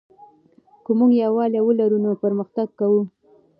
که موږ یووالی ولرو نو پرمختګ کوو.